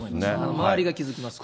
周りが気付きますから。